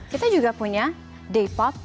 kita juga punya depop